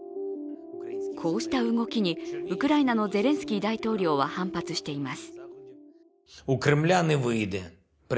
こうした動きにウクライナのゼレンスキー大統領は反発しています。